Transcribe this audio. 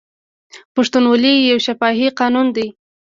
پښتونولي یو شفاهي قانون دی.